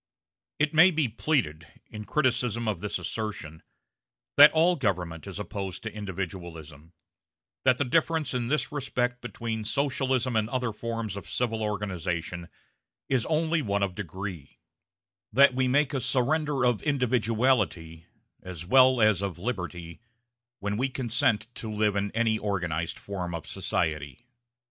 It may be pleaded, in criticism of this assertion, that all government is opposed to individualism; that the difference in this respect between Socialism and other forms of civil organization is only one of degree; that we make a surrender of individuality, as well as of liberty, when we consent to live in any organized form of society.